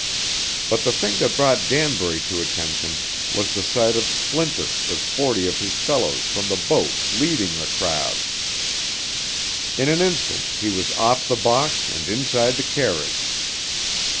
But the thing that brought Danbury to attention was the sight of Splinter with forty of his fellows from the boat leading the crowd. In an instant he was off the box and inside the carriage.